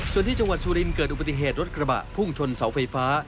ส่วนที่จังหวัดสุรินเกิดอุบัติเหตุรถกระบะพุ่งชนเสาไฟฟ้า